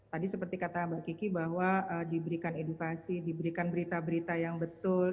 tadi seperti kata mbak kiki bahwa diberikan edukasi diberikan berita berita yang betul